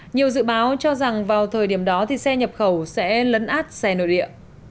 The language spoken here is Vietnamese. nhiều dự báo cho rằng vào thời điểm đó thì xe nhập khẩu sẽ lấn át xe nội địa